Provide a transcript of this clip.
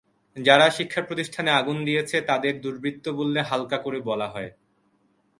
যারা শিক্ষাপ্রতিষ্ঠানে আগুন দিয়েছে, তাদের দুর্বৃত্ত বললে হালকা করে বলা হয়।